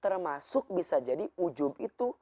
termasuk bisa jadi ujung itu